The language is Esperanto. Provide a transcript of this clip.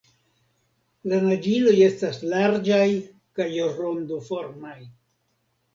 La naĝiloj estas larĝaj kaj rondoformaj.